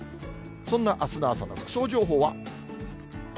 そんなあすの朝の服装情報は。